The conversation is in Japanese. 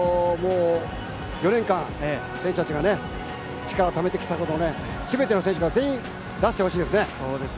４年間選手たちが力をためてきたので、全ての選手が全員力を出していただきたいですね。